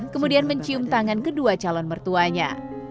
kemudian mencium tangan kedua calon mertuanya